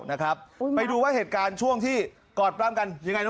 ต้องมัดด้วยล่ะค่ะ